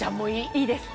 いいですか？